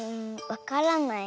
わからない。